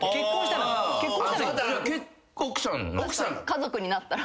家族になったら。